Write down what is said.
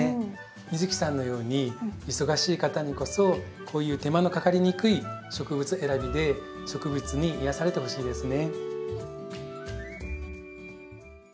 美月さんのように忙しい方にこそこういう手間のかかりにくい植物選びで植物に癒やされてほしいですね。